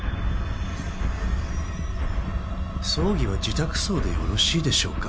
葬儀は自宅葬でよろしいでしょうか？